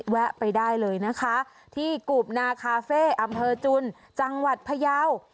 แวะไปได้เลยนะคะที่กูบนาคาเฟ่อำเภอจุนจังหวัดพยาว